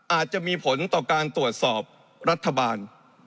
อาจจะมีผลต่อการตรวจสอบรัฐบาล